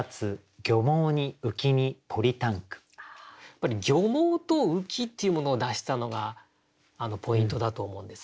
やっぱり「漁網」と「浮子」っていうものを出したのがポイントだと思うんですね。